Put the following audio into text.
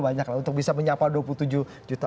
banyak lah untuk bisa menyapa dua puluh tujuh juta